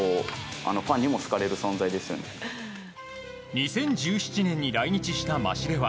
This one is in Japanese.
２０１７年に来日したマシレワ。